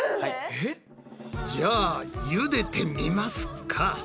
じゃあ茹でてみますか。